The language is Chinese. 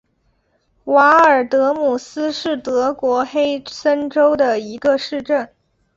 瓦尔德姆斯是德国黑森州的一个市镇。